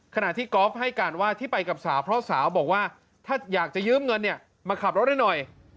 ขณะที่กอล์ฟให้การว่าที่ไปกับสาวเพราะว่าสายังอยากใช้เงินมาขับรถหน่อย